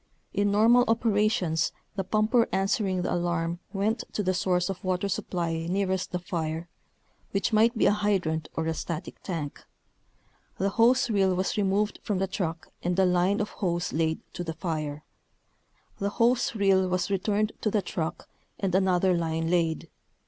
In normal operations the pumper answering the alarm went to the source of water supply nearest the fire, which might be a hydrant or a static tank. The hose reel was removed from the truck and a line of hose laid to the fire. The hose reel was re turned to the truck and another line laid.